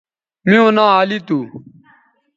میوں ناں علی تھو